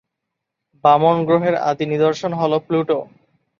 বামন গ্রহের আদি নিদর্শন হল প্লুটো।